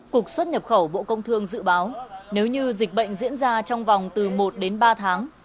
cục xuất nhập khẩu bộ công thương dự báo nếu như dịch bệnh diễn ra trong vòng từ một đến ba tháng